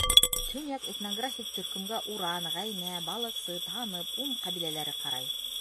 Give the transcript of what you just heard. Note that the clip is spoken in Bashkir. Төньяҡ этнографик төркөмгә уран, гәйнә, балыҡсы, танып, ун ҡәбиләләре ҡарай.